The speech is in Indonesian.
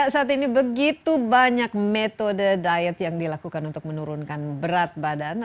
saat ini begitu banyak metode diet yang dilakukan untuk menurunkan berat badan